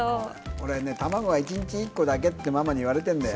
俺、たまごは一日１個だけってママに言われてんだよ。